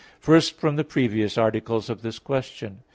First, from the previous articles of this question.